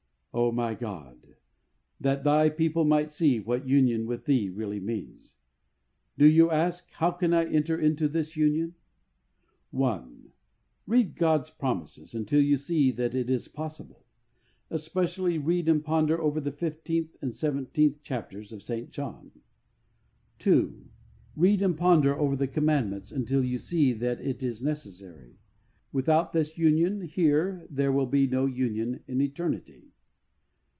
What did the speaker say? O my God, that Thy people might see what union with Thee really means. Do you ask, " How^ can I enter into this union ?•' 1. Read God's promises until you see that it is possible. Especially read and ponder over the fifteenth and seventeenth chapters of St. John. 2. Read and ponder over the commandments until you see that it is necessary. Without this union here there wfill be no union in eternity.